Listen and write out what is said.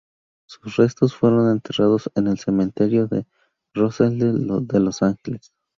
Sus restos fueron enterrados en el Cementerio de Rosedale de Los Ángeles.